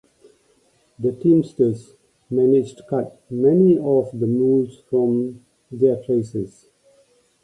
The teamsters managed cut many of the mules from their traces.